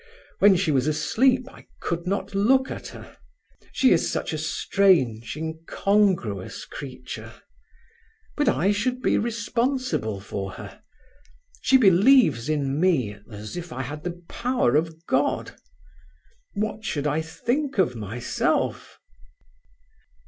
When she was asleep I could not look at her. She is such a strange, incongruous creature. But I should be responsible for her. She believes in me as if I had the power of God. What should I think of myself?"